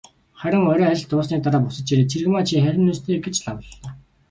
Харин орой ажил дууссаны дараа буцаж ирээд, "Цэрэгмаа чи харина биз дээ" гэж лавлалаа.